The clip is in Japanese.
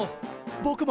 ぼくも！